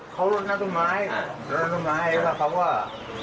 เขารถนักฑุ่นไม้รถนักฑุ่นไม้เขาว่า